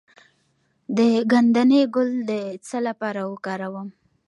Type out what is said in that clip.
د ګندنه ګل د څه لپاره وکاروم؟